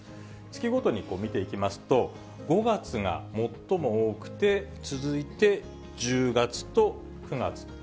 月ごとに見ていきますと、５月が最も多くて、続いて１０月と９月と。